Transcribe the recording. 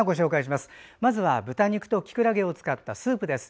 まずは豚肉ときくらげを使ったスープです。